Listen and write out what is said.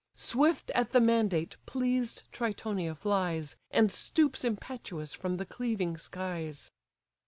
Swift at the mandate pleased Tritonia flies, And stoops impetuous from the cleaving skies.